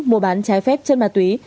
mua bán trái phép chất ma túy